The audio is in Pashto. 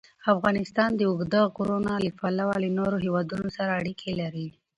افغانستان د اوږده غرونه له پلوه له نورو هېوادونو سره اړیکې لري.